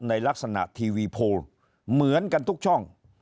ในลักษณะทีวีโพลเหมือนกันทุกช่อง